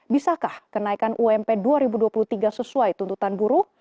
bisakah kenaikan ump dua ribu dua puluh tiga sesuai tuntutan buruh